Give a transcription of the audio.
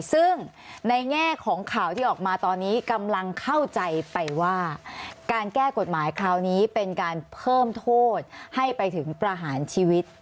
ซึ่งในแง่ของข่าวที่ออกมาตอนนี้กำลังเข้าใจไปว่าการแก้กฎหมายคราวนี้เป็นการเพิ่มโทษให้ไปถึงประหารชีวิต